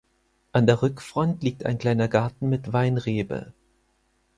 An der Rückfront liegt ein kleiner Garten mit Weinrebe.